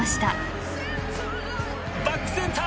バックセンター